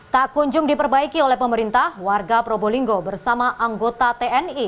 tak kunjung diperbaiki oleh pemerintah warga probolinggo bersama anggota tni